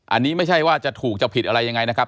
อันนี้ไม่ใช่ว่าจะถูกจะผิดอะไรยังไงนะครับ